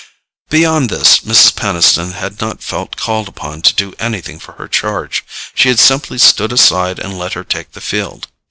Beyond this, Mrs. Peniston had not felt called upon to do anything for her charge: she had simply stood aside and let her take the field.